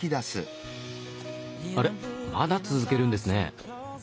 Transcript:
あれっまだ続けるんですね。